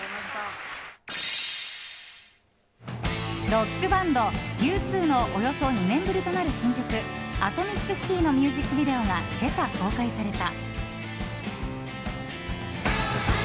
ロックバンドＵ２のおよそ２年ぶりとなる新曲「アトミック・シティ」のミュージックビデオが今朝公開された。